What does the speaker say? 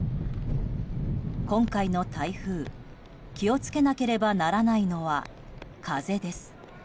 今回の台風気を付けなければならないのは風です。